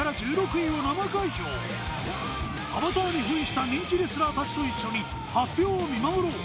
アバターに扮した人気レスラーたちと一緒に発表を見守ろう。